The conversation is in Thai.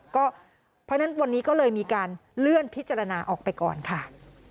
เพราะฉะนั้นวันนี้ก็เลยมีการเลื่อนพิจารณาออกไปก่อนค่ะ